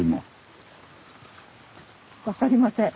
分かりません。